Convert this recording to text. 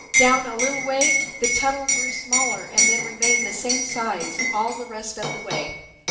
Down a little way the tunnel grew smaller and then remained the same size all the rest of the way.